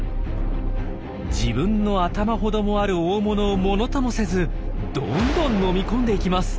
自分の頭ほどもある大物をものともせずどんどん飲み込んでいきます。